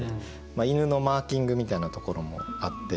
犬のマーキングみたいなところもあって。